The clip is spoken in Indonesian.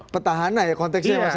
petahana ya konteksnya ya pak sekoy ya